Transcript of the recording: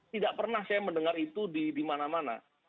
tidak pernah saya mendengar itu di mana mana